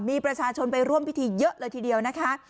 มีประชาชนไปร่วมพิธีเยอะเลยทีเดียวนะคะ